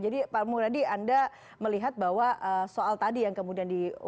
jadi pak muradi anda melihat bahwa soal tadi yang kemudian itu